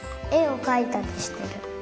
えをかいたりしてる。